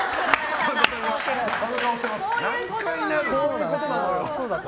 こういうことなのよ！